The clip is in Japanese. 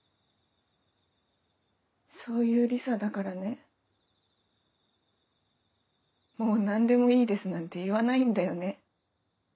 そういうリサだからね「もう何でもいいです」なんて言わないんだよね。